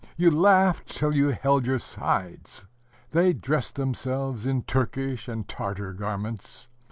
you laughed till you held your sides. They dressed themselves in Turkish and Tartar garments.